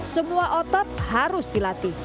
semua otot harus dilatih